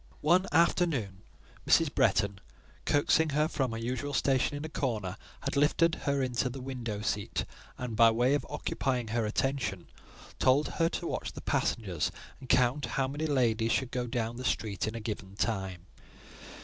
One afternoon, Mrs. Bretton, coaxing her from her usual station in a corner, had lifted her into the window seat, and, by way of occupying her attention, told her to watch the passengers and count how many ladies should go down the street in a given time.